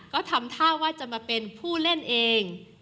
ก็ทำท่าว่าจะมาเป็นผู้เล่นเอง